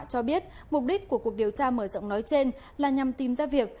cho biết mục đích của cuộc điều tra mở rộng nói trên là nhằm tìm ra việc